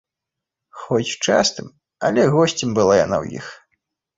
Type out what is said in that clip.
Хоць частым, але госцем была яна ў іх.